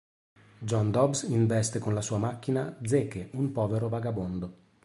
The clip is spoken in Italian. John Dobbs investe con la sua macchina Zeke, un povero vagabondo.